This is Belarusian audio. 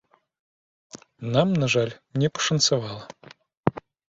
Нам, на жаль, не пашанцавала.